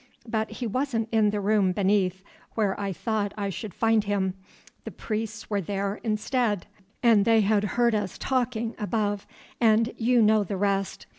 But he wasn't in the room beneath, where I thought I should find him. The priests were there instead, and they had heard us talking above, and you know the rest.